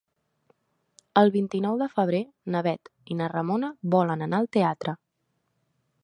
El vint-i-nou de febrer na Bet i na Ramona volen anar al teatre.